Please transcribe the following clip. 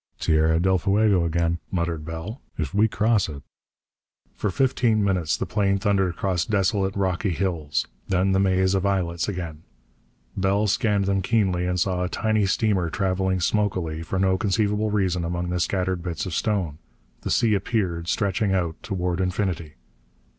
"Tierra del Fuego again," muttered Bell. "If we cross it...." For fifteen minutes the plane thundered across desolate, rocky hills. Then the maze of islets again. Bell scanned them keenly, and saw a tiny steamer traveling smokily, for no conceivable reason, among the scattered bits of stone. The sea appeared, stretching out toward infinity.